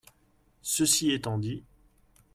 Ceci étant dit…